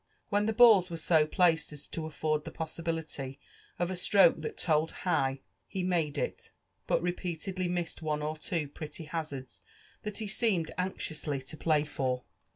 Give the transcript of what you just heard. When the balls were so placed as to aflbrd the possibility of aatroke that told high, he made it, but repeatedly missed one or two pretty hazards Ihat he seemed anxiously to play for.